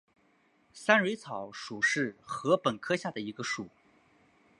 三蕊草属是禾本科下的一个属。